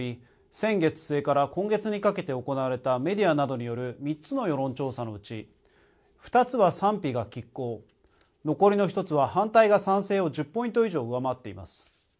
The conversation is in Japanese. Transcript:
先月末から今月にかけて行われたメディアなどによる３つの世論調査のうち２つは賛否がきっ抗残りの１つは反対が賛成を１０ポイント以上上回っています。